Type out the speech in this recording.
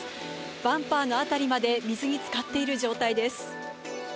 バンパーの辺りまで水につかっている状態です。